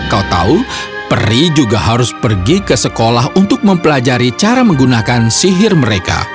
kau tahu peri juga harus pergi ke sekolah untuk mempelajari cara menggunakan sihir mereka